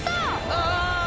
ああ！